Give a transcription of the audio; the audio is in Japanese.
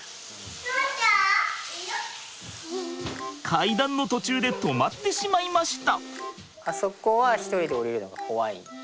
階段の途中で止まってしまいました。